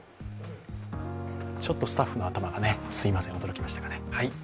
ちょっとスタッフの頭がすいません、驚きましたかね。